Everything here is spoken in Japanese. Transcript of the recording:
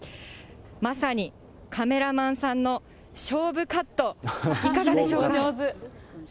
まさにカメラマンさんの勝負カット、いかがでしょうか。